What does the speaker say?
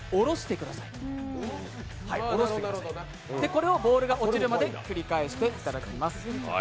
これをボールが落ちるまで繰り返していただきます。